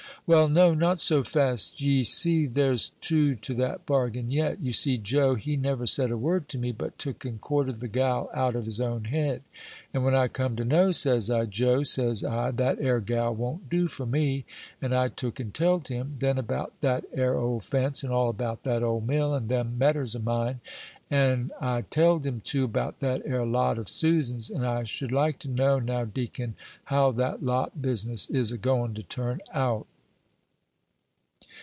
"Well no not so fast; ye see there's two to that bargain yet. You see, Joe, he never said a word to me, but took and courted the gal out of his own head; and when I come to know, says I, 'Joe,' says I, 'that 'ere gal won't do for me;' and I took and tell'd him, then, about that 'ere old fence, and all about that old mill, and them _medder_s of mine; and I tell'd him, too, about that 'ere lot of Susan's; and I should like to know, now, deacon, how that lot business is a going to turn out."